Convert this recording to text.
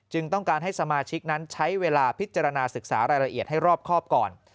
ต้องการให้สมาชิกนั้นใช้เวลาพิจารณาศึกษารายละเอียดให้รอบครอบก่อน